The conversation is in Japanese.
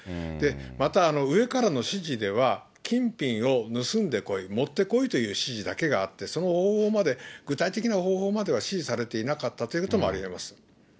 また、上からの指示では金品を盗んで来い、持ってこいという指示だけがあって、その方法まで、具体的な方法までは指示されていなかったということもありえます。